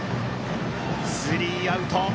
スリーアウト。